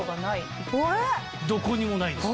どこにもないんです。